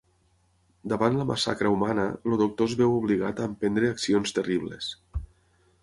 Davant la massacra humana, el Doctor es veu obligat a emprendre accions terribles.